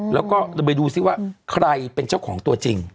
แล้วก็ไปดูซิว่าใครเป็นเจ้าของตัวจริง